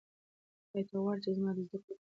ایا ته غواړې چې زما د زده کړو په اړه څه وپوښتې؟